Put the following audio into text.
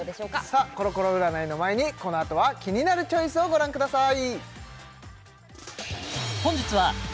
コロコロ占いの前にこのあとは「キニナルチョイス」をご覧ください